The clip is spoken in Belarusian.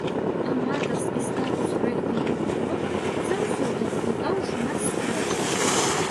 Аматарскі статус рэгбі-юніён заўсёды выклікаў шмат спрэчак.